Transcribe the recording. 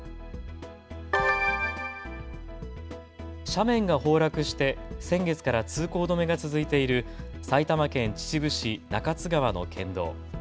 斜面が崩落して先月から通行止めが続いている埼玉県秩父市中津川の県道。